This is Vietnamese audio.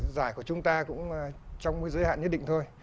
giải của chúng ta cũng trong cái giới hạn nhất định thôi